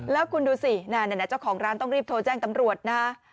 แล้วคุณดูสินั่นเจ้าของร้านต้องรีบโทรแจ้งตำรวจนะฮะ